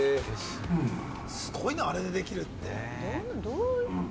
すごいな、あれでできるって。